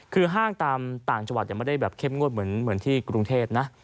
คือห้างตามต่างจังหวัดไม่ได้แบบเข้มงวดเหมือนที่กรุงเทพนะ